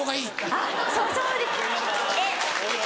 あっそうそうですね。